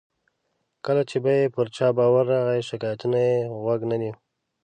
کله چې به یې پر چا باور راغی، شکایتونو ته یې غوږ نه نیو.